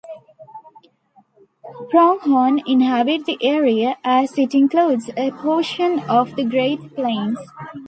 Pronghorn inhabit the area, as it includes a portion of the Great Plains.